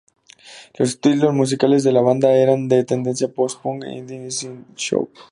Los estilos musicales de la banda eran de tendencia Post-punk, indie y synthpop.